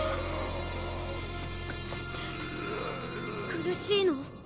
苦しいの？